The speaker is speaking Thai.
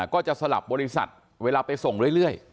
ก็จะสลับบริษัทเวลาไปส่งเรื่อย